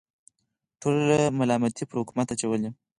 ټوله ملامتي پر حکومت اچوله.